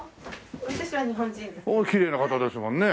きれいな方ですもんね。